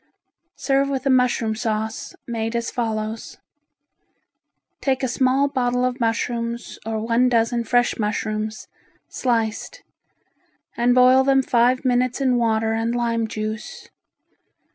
Serve with a mushroom sauce, made as follows: Take a small bottle of mushrooms or one dozen fresh mushrooms sliced and boil them five minutes in water and lime juice.